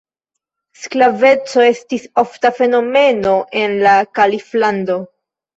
Sklaveco estis ofta fenomeno en la Kaliflando.